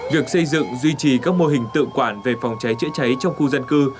việc xây dựng duy trì các mô hình tự quản về phòng cháy chữa cháy trong khu dân cư